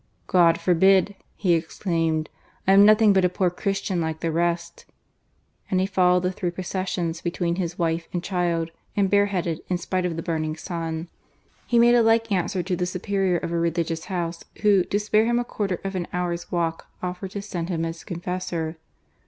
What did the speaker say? "God forbid!" he exclaimed. "I am nothing but a poor Christian like the rest !" and he followed the three processions between his wife and child, and bare headed in spite of the burning sun. He made a like answer to the Superior of a religious house, who, to spare him a quarter of an hour's walk, offered to send him his confessor.